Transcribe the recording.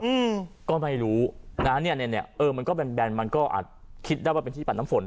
อืมก็ไม่รู้นะเนี้ยเนี้ยเนี้ยเออมันก็แบนแบนมันก็อาจคิดได้ว่าเป็นที่ปั่นน้ำฝน